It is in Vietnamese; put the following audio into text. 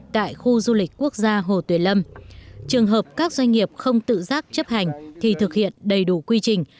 tại khu du lịch quốc gia hồ tuyền lâm trường hợp các doanh nghiệp không tự giác chấp hành thì thực hiện đầy đủ quy trình